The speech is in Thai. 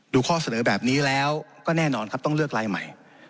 ข้อเสนอแบบนี้แล้วก็แน่นอนครับต้องเลือกลายใหม่